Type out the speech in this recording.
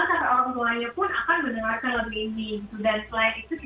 dan setelah itu kita juga bisa jadi ikut berpartisipasi dalam acara acara besar yang sebenarnya